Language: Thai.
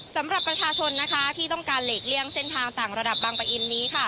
สำหรับประชาชนนะคะที่ต้องการหลีกเลี่ยงเส้นทางต่างระดับบางปะอินนี้ค่ะ